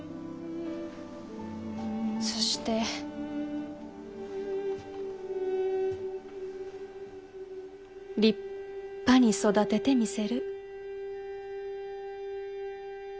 そして立派に育ててみせる。